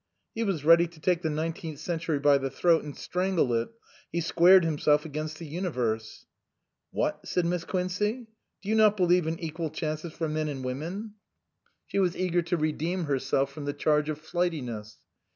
He was ready to take the nineteenth century by the throat and strangle it; he squared himself against the universe. " What," said Miss Quincey, " do you not be lieve in equal chances for men and women?" 268 UNDEK A BLUE MOON She was eager to redeem herself from the charge of flightiness.